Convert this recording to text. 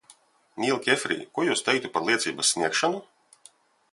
Nīl Kefrij, ko jūs teiktu par liecības sniegšanu?